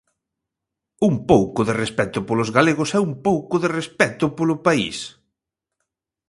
¡Un pouco de respecto polos galegos e un pouco de respecto polo país!